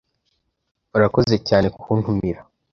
Urakoze cyane kuntumira.